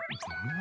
ん？